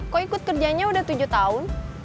kok ikut kerjanya udah tujuh tahun